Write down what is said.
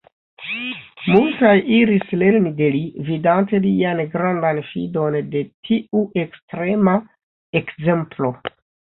Multaj iris lerni de li, vidante lian grandan fidon de tiu ekstrema ekzemplo.